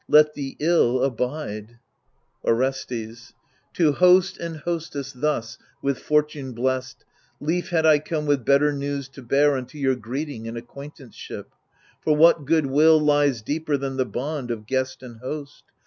Let the ill cUnde, Orestes To host and hostess thus with fortune blest, Lief had I come with better news to bear Unto your greeting and acquaintanceship ; For what goodwill lies deeper than the bond Of guest and host